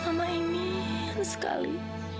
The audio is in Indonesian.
mama ingin sekali